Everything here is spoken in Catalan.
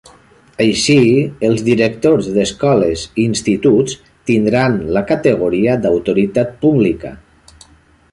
Així, els directors d'escoles i instituts tindran la categoria d'autoritat pública.